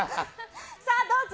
さあ、どうぞ。